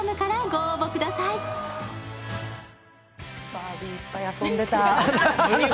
バービー、いっぱい遊んでた。